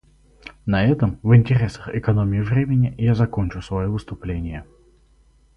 На этом, в интересах экономии времени, я закончу свое выступление.